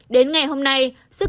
đến ngày hôm nay